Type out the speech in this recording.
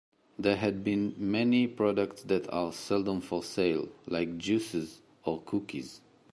There had been many products that are seldom for sale, like juices or cookies.